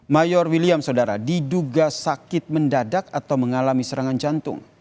mayor william saudara diduga sakit mendadak atau mengalami serangan jantung